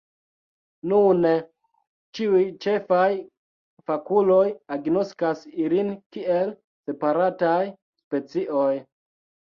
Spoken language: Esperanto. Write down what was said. Nune ĉiuj ĉefaj fakuloj agnoskas ilin kiel separataj specioj.